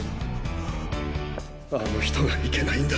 あの人がいけないんだ。